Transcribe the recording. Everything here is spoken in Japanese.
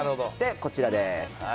そしてこちらです。